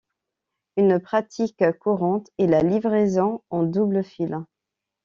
Une pratique courante est la livraison en double file.